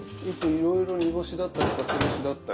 いろいろ煮干しだったりかつお節だったり。